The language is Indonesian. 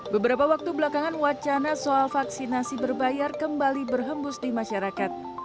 beberapa waktu belakangan wacana soal vaksinasi berbayar kembali berhembus di masyarakat